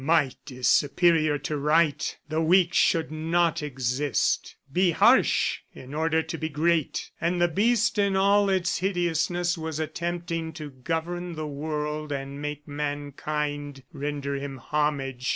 "Might is superior to Right!" ... "The weak should not exist." ... "Be harsh in order to be great." ... And the Beast in all its hideousness was attempting to govern the world and make mankind render him homage!